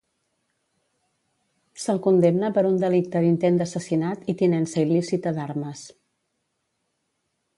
Se'l condemna per un delicte d'intent d'assassinat i tinença il·lícita d'armes.